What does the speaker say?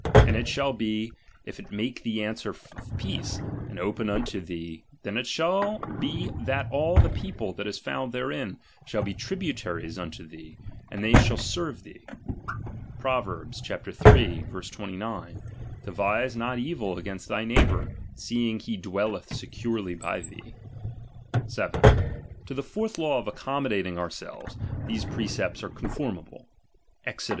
And it shall be, if it make thee answer of peace, and open unto thee, then it shall be that all the people that is found therein, shall be tributaries unto thee, and they shall serve thee. Prov. iii. 29 : Devise fiot evil against thy neighbour, seeing he dwelleth securely by thee. ^ 7. To the fourth law of accommodating our fui. selves, these precepts are conformable : Exod.